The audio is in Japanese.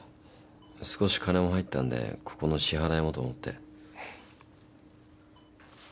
少し金も入ったんでここの支払いもと思って。